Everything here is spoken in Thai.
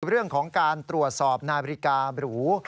เรื่องของการตรวจสอบนาฬิกาบรู